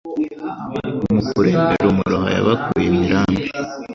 Mu kurembera umuroha Yabakuye imirambi